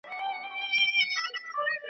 لا په عقل وو تر نورو هم ښاغلی .